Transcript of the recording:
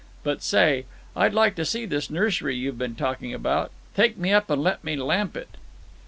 But say, I'd like to see this nursery you've been talking about. Take me up and let me lamp it."